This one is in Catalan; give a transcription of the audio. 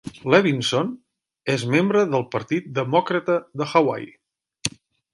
Levinson és membre del Partit Demòcrata de Hawaii.